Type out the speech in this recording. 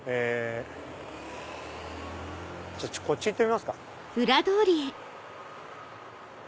こっち行ってみますか。